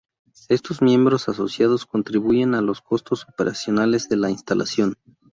Estos miembros asociados contribuyen a los costos operacionales de la instalación.